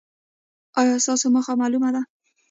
ایا ستاسو موخه معلومه ده؟